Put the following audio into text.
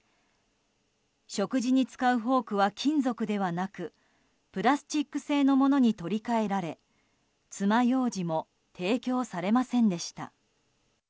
食事に使うフォークは金属ではなくプラスチック製のものに取り換えられつまようじも提供されませんでした。